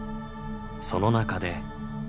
その中で。